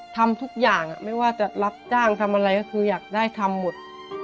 ทำทุกอย่างไม่ว่าจะรับจ้างทำอะไรก็คืออยากได้ทำหมด